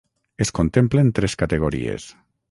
Es contemplen tres categories: